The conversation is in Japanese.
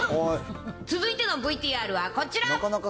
続いてのＶＴＲはこちら。